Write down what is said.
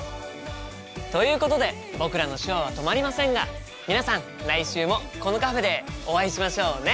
ということで僕らの手話は止まりませんが皆さん来週もこのカフェでお会いしましょうね。